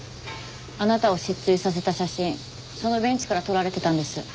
あなたを失墜させた写真そのベンチから撮られてたんです。